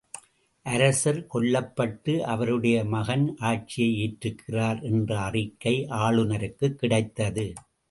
அரசர் கொல்லப்பட்டு அவருடைய மகன் ஆட்சியை ஏற்றிருக்கிறார் என்ற அறிக்கை ஆளுநருக்குக் கிடைத்தது.